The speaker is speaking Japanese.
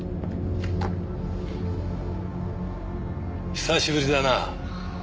久しぶりだなぁ。